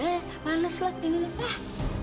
eh manes lah